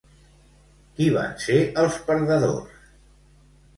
Qui van ser els perdedors?